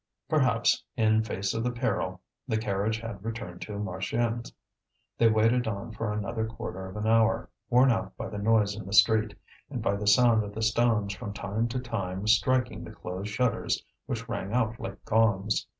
Perhaps, in face of the peril, the carriage had returned to Marchiennes. They waited on for another quarter of an hour, worn out by the noise in the street, and by the sound of the stones from time to time striking the closed shutters which rang out like gongs.